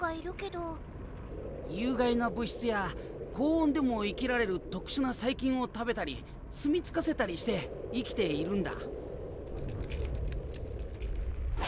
有害な物質や高温でも生きられる特殊な細菌を食べたり住み着かせたりして生きているんだ。